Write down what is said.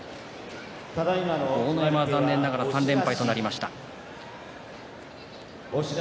豪ノ山は残念ながら３連敗となりました。